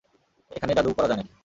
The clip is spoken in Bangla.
এখানে জাদুও করা যায় নাকি?